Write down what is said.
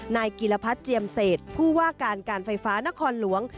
นายกิลพัฒน์เจียมเศษผู้ว่าการการไฟฟ้านครหลวง